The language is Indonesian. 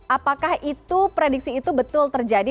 apakah itu prediksi itu betul terjadi